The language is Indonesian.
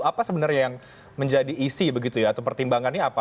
apa sebenarnya yang menjadi isi begitu ya atau pertimbangannya apa